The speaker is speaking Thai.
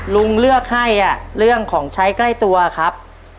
ลุงเลือกให้เรื่องของใช้ใกล้ตัวครับ